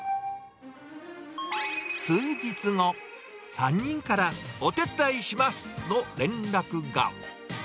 数日後、３人からお手伝いします！の連絡が。